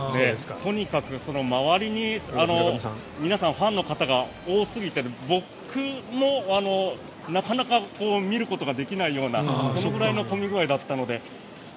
とにかく周りに皆さん、ファンの方が多すぎて僕もなかなか見ることができないようなそのぐらいの混み具合だったので。